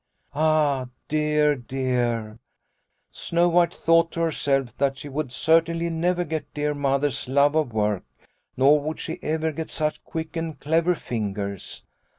" Ah, dear, dear ! Snow White thought to herself that she would certainly never get dear Mother's love of work, nor would she ever get such quick and clever fingers.